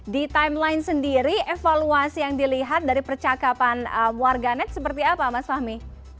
di timeline sendiri evaluasi yang dilihat dari percakapan warga net seperti apa mas fahmi